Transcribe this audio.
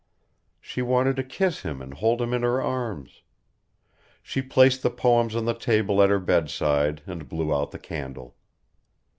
She wanted to kiss him and hold him in her arms. She placed the poems on the table at her bedside and blew out the candle.